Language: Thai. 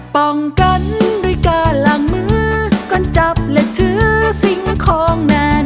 ป้องกันด้วยการล้างมือก่อนจับและถือสิ่งของนาน